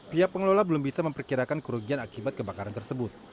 pihak pengelola belum bisa memperkirakan kerugian akibat kebakaran tersebut